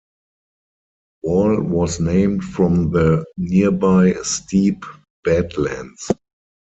Wall was named from the nearby steep Badlands.